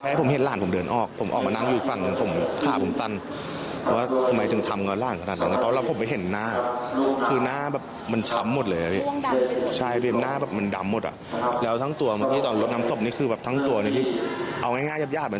อะไรก็เด็กแค่ก้าวโครบสิบควบ